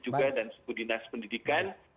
juga dan suku dinas pendidikan